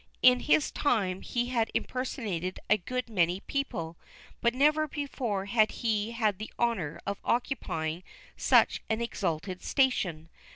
In his time he had impersonated a good many people, but never before had he had the honor of occupying such an exalted station.